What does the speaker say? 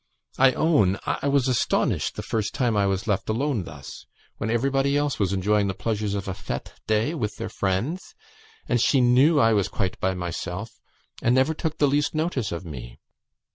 I own, I was astonished the first time I was left alone thus; when everybody else was enjoying the pleasures of a fete day with their friends, and she knew I was quite by myself, and never took the least notice of me.